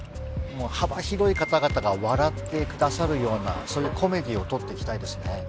幅広い方々が笑ってくださるようなそういうコメディーを撮っていきたいですね。